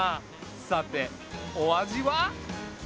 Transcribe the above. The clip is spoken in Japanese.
さてお味は？